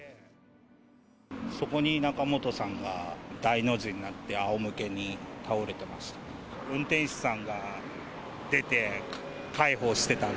そこに仲本さんが、大の字になってあおむけに倒れてました。